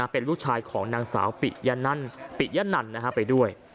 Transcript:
เป็นลูกชายของนางสาวปิยะนั่นไปด้วย